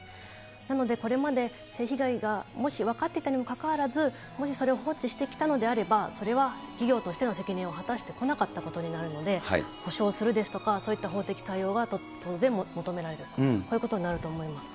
なので、これまで性被害がもし分かっていたにもかかわらず、もしそれを放置してきたのであれば、それは企業としての責任を果たしてこなかったことになるので、補償するですとか、そうした法的対応が当然求められる、こういうことになると思います。